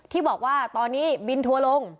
ที่บอกว่าตอนนี้บินทัวร์ลง